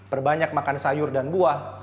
perbanyak makan sayur dan buah